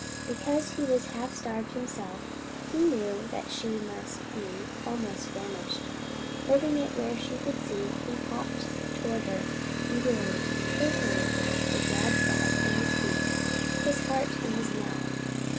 Because he was half starved himself, he knew that she must be almost famished. Holding it where she could see, he hopped toward her, eagerly, carefully, the gadfly in his beak, his heart in his mouth.